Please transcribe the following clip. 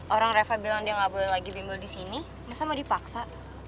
orang reva bilang dia nggak boleh lagi bimbel di sini masa mau dipaksa